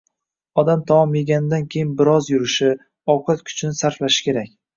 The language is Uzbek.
Odam taom yeganidan keyin bir oz yurishi, ovqat kuchini sarflashi kerak.